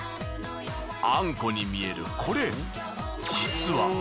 あんこに見えるこれ。